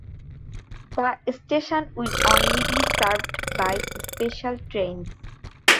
The station will only be served by special trains.